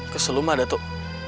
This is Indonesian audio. ke seluma datuk